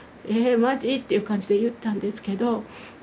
「えマジ？」っていう感じで言ったんですけど。